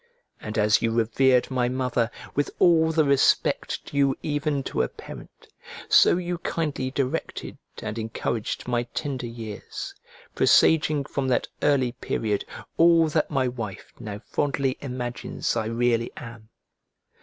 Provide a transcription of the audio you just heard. And as you revered my mother with all the respect due even to a parent, so you kindly directed and encouraged my tender years, presaging from that early period all that my wife now fondly imagines I really am.